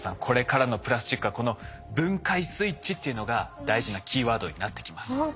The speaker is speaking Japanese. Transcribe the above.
これからのプラスチックはこの分解スイッチっていうのが大事なキーワードになってきます。